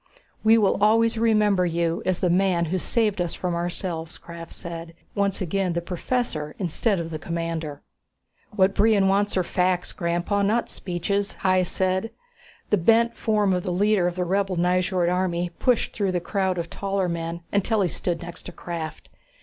"We will always remember you as the man who saved us from ourselves," Krafft said, once again the professor instead of the commander. "What Brion wants are facts, Grandpa, not speeches," Hys said. The bent form of the leader of the rebel Nyjord army pushed through the crowd of taller men until he stood next to Krafft.